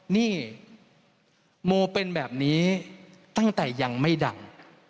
นี่โมเป็นแบบนี้ตั้งแต่ยังไม่ดัง